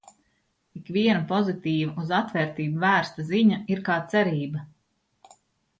Ikviena pozitīva, uz atvērtību vērsta ziņa ir kā cerība.